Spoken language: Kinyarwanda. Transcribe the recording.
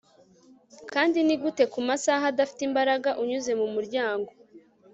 Kandi nigute kumasaha adafite imbaraga unyuze mumuryango